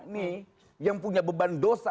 nih yang punya beban dosa